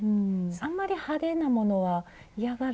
あんまり派手なものは嫌がるかな。